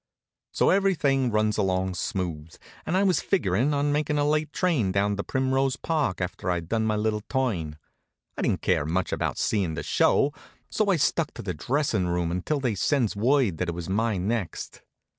So everything runs along smooth, and I was figurin' on makin' a late train down to Primrose Park after I'd done my little turn. I didn't care much about seein' the show, so I stuck to the dressin' room until they sends word that it was my next.